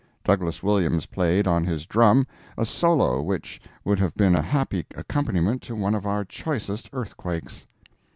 Douglas Williams played, on his drum, a solo which would have been a happy accompaniment to one of our choicest earthquakes.